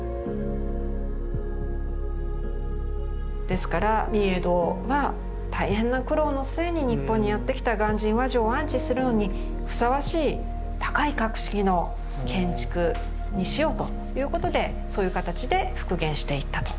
ですから御影堂は大変な苦労の末に日本にやって来た鑑真和上を安置するのにふさわしい高い格式の建築にしようということでそういう形で復元していったと。